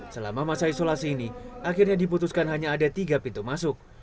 selama masa isolasi ini akhirnya diputuskan hanya ada tiga pintu masuk